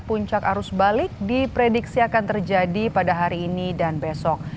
puncak arus balik diprediksi akan terjadi pada hari ini dan besok